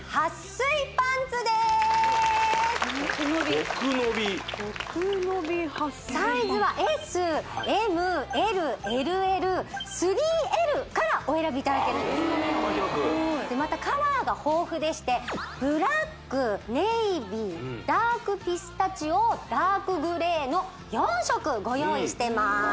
撥水パンツサイズはＳＭＬＬＬ３Ｌからお選びいただけるんですまたカラーが豊富でしてブラックネイビーダークピスタチオダークグレーの４色ご用意してます